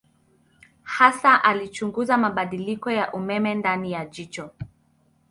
Hasa alichunguza mabadiliko ya umeme ndani ya jicho.